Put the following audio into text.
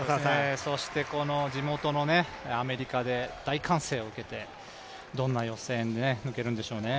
そして、この地元のアメリカで大歓声を受けて、どんな予選、抜けるんでしょうね。